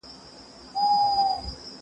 زه له سهاره د سبا لپاره د نوي لغتونو يادوم!؟